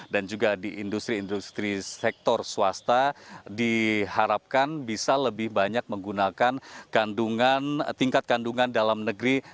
dan juga di industri industri sektor swasta diharapkan bisa lebih banyak menggunakan tingkat kandungan dalam negeri